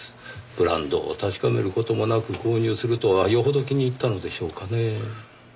ブランドを確かめる事もなく購入するとはよほど気に入ったのでしょうかねぇ。